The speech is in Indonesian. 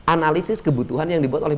analisis kebutuhan yang dibuat oleh